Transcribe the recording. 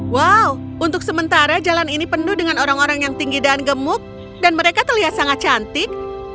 wow untuk sementara jalan ini penuh dengan orang orang yang tinggi dan gemuk dan mereka terlihat sangat cantik